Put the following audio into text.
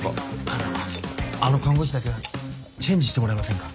あのあの看護師だけはチェンジしてもらえませんか？